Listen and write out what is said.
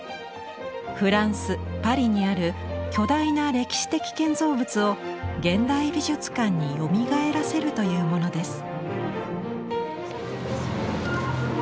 フランスパリにある巨大な歴史的建造物を現代美術館によみがえらせるというものです。